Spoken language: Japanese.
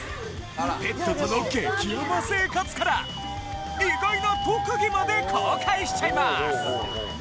ペットとの激甘生活から意外な特技まで公開しちゃいます！